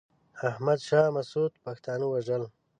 احمد شاه مسعود پښتانه وژل.